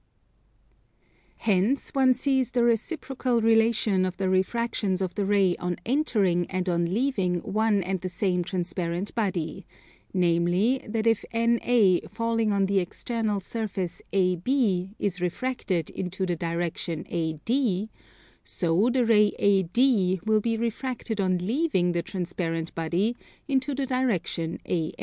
Hence one sees the reciprocal relation of the refractions of the ray on entering and on leaving one and the same transparent body: namely that if NA falling on the external surface AB is refracted into the direction AD, so the ray AD will be refracted on leaving the transparent body into the direction AN.